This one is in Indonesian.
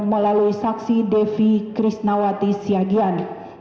melalui saksi devi krisnawati siagian